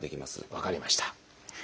分かりました。